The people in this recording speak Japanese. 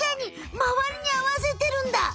まわりにあわせてるんだ。